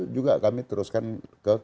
juga kami teruskan ke komisi tujuh